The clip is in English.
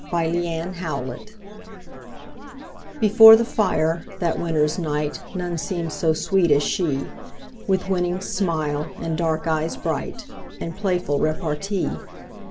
Y Z And So Did I Before the fire, that winter's night None seemed so sweet as she, With winning smile, and dark eyes bright, And playful repartee.